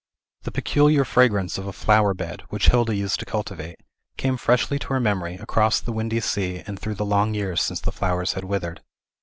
The peculiar fragrance of a flower bed, which Hilda used to cultivate, came freshly to her memory, across the windy sea, and through the long years since the flowers had withered.